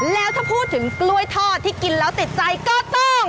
แล้วถ้าพูดถึงกล้วยทอดที่กินแล้วติดใจก็ต้อง